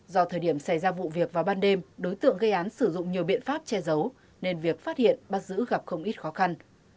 do thời điểm xảy ra vụ việc vào ban đêm đối tượng gây án sử dụng nhiều biện pháp che giấu nên việc phát hiện bắt giữ gặp không ít khó khăn